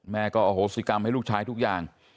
แม่ก็อโหสิกรรมให้ลูกชายทุกอย่าง